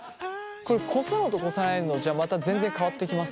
これこすのとこさないのじゃまた全然変わってきます？